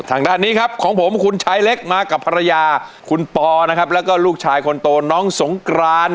สวัสดีครับของผมคุณชายเล็กกับภรรยาคุณปอแล้วก็ลูกชายคนโตน้องสงกราณ